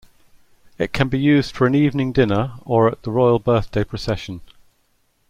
It can be used for an evening dinner or at the Royal Birthday Procession.